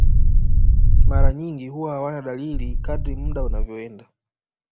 Mara nyingi huwa hawana dalili kadri muda unavyoenda